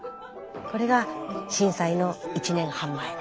これが震災の１年半前。